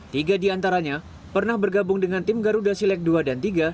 tiga diantaranya pernah bergabung dengan tim garuda silek dua dan tiga